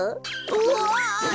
うわ！